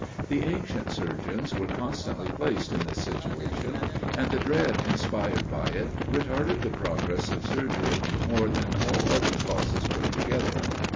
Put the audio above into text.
The ancient surgeons were constantly placed in this situation, and the dread inspired by it retarded the progress of surgery more than all other causes put together.